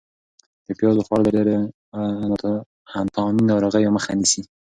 د پیازو خوړل د ډېرو انتاني ناروغیو مخه نیسي.